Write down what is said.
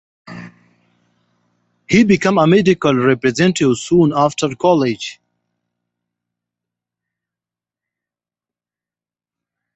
He became a medical representative soon after college.